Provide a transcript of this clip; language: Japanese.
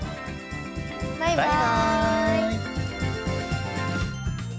バイバイ！